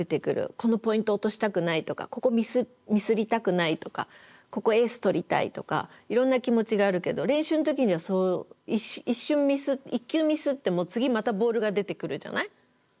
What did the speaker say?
このポイント落としたくないとかここミスりたくないとかここエース取りたいとかいろんな気持ちがあるけど練習の時には一瞬１球ミスっても次またボールが出てくるじゃない？